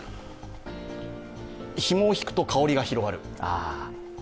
ひもを引くと香りが広がる。